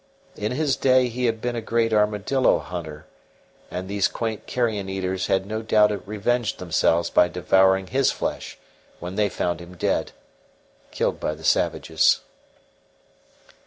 In his day he had been a great armadillo hunter, and these quaint carrion eaters had no doubt revenged themselves by devouring his flesh when they found him dead killed by the savages.